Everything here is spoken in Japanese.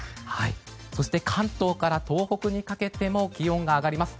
そして関東から東北にかけても気温が上がります。